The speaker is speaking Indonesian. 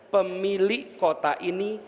pemilik kota ini